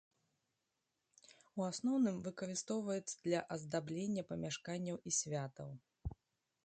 У асноўным выкарыстоўваецца для аздаблення памяшканняў і святаў.